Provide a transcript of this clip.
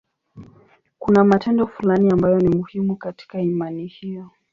Kuna matendo fulani ambayo ni muhimu katika imani hiyo.